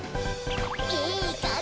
いいかんじ！